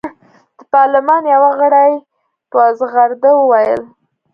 د پارلمان یوه غړي په زغرده وویل.